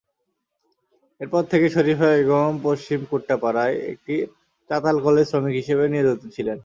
এরপর থেকে শরিফা বেগম পশ্চিম কুট্টাপাড়ায় একটি চাতালকলে শ্রমিক হিসেবে নিয়োজিত ছিলেন।